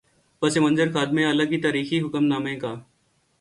پس منظر خادم اعلی کے تاریخی حکم نامے کا۔